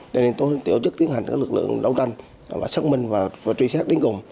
tại nên tổ chức tiến hành các lực lượng đấu tranh và xác minh và truy xét đến cùng